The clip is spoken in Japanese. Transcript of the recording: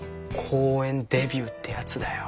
公園デビューってやつだよ。